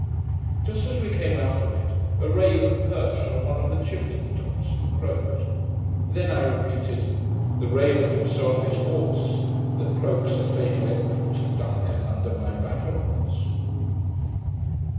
Just as we came out of it, a raven perched on one of the chimney tops, and croaked. Then I repeated '... The raven himself is hoarse. That croaks the fatal enterance of Duncan Under my battlements.'